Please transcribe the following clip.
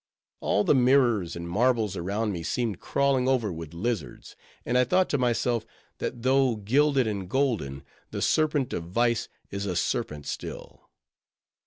All the mirrors and marbles around me seemed crawling over with lizards; and I thought to myself, that though gilded and golden, the serpent of vice is a serpent still.